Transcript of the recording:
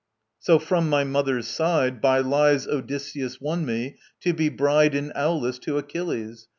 So from my mother's side By lies Odysseus won me, to be bride In Aulis to Achilles.